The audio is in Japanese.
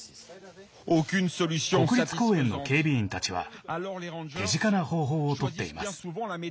国立公園の警備員たちは手近な方法をとっています。